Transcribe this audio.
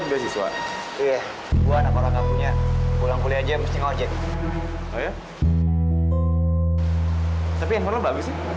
katakan apa saja